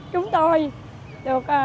chúng tôi được mua bán